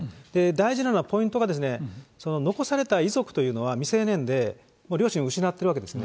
大事なのはポイントが、残された遺族というのは未成年で、両親を失っているわけですね。